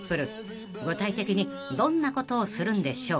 ［具体的にどんなことをするんでしょう？］